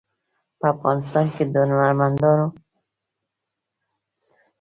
په افغانستان کې د هنرمندانو روزلو مؤسسې شته.